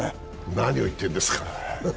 何を言ってるんですか。